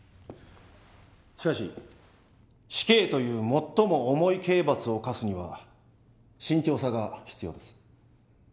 しかし死刑という最も重い刑罰を科すには慎重さが必要です。